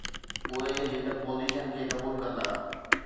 اهي هن پوزيشن کي قبول ڪندا